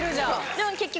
でも結局。